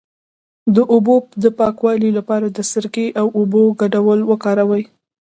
د پښو د پاکوالي لپاره د سرکې او اوبو ګډول وکاروئ